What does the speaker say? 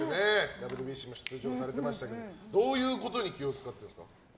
ＷＢＣも出場されてましたけどどういうことに気を使ってるんですか？